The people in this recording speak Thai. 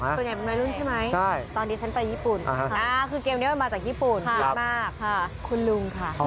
ส่วนใหญ่เป็นวัยรุ่นใช่ไหมตอนนี้ฉันไปญี่ปุ่นคือเกมนี้มันมาจากญี่ปุ่นเยอะมากคุณลุงค่ะ